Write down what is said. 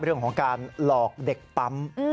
เรื่องของการหลอกเด็กปั๊ม